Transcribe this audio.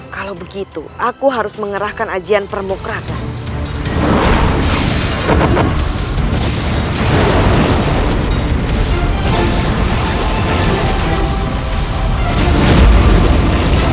kalau begitu aku harus mengerahkan ajian permukratan